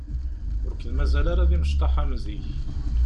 Ur ken-mazal ara d imecṭaḥ am zik.